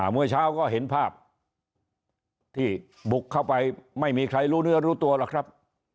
เมื่อเช้าก็เห็นภาพที่บุกเข้าไปไม่มีใครรู้เนื้อรู้ตัวหรอกครับ